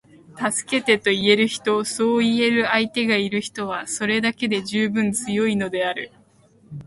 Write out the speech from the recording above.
「助けて」と言える人，そう言える相手がいる人は，それだけで十分強いのである．